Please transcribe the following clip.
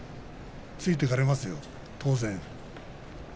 ついていかれますよ、当然。